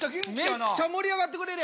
めっちゃ盛り上がってくれるやん。